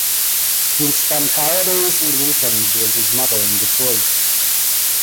He spent holidays and weekends with his mother in Detroit.